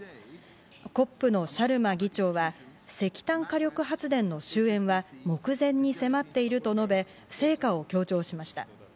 ＣＯＰのシャルマ議長は、石炭火力発電の終えんは目前に迫っていると述べ、成果を強調しました。